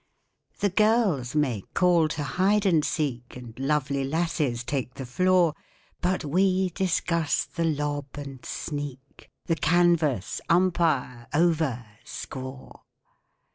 The girls may call to Hide and Seek, And lovely lasses take the floor; But we discuss the Lob and Sneak, The Canvas, Umpire, Over, Score!